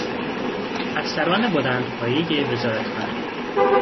افسران بلندپایهی وزارتخانه